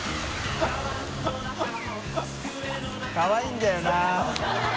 かわいいんだよな。